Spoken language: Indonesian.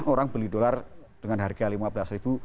orang beli dolar dengan harga lima belas ribu